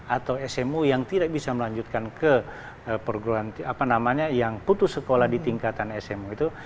atau smu yang tidak bisa melanjutkan ke perguruan apa namanya yang putus sekolah di tingkatan smu itu